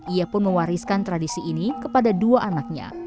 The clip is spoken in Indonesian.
ia pun mewariskan tradisi ini kepada dua anaknya